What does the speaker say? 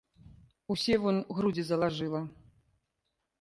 Усе вунь грудзі залажыла.